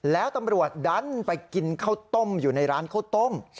แล้วตำรวจดันไปกินข้าวต้มอยู่ในร้านข้าวต้ม